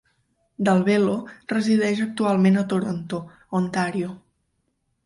Dalbello resideix actualment a Toronto, Ontario.